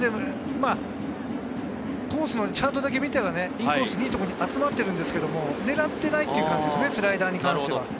コースのチャートだけ見ては、インコースのいいところに集まっているんですけど、狙っていないという感じですね、スライダーに関しては。